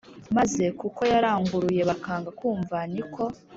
Maze kuko yaranguruye bakanga kumva ni ko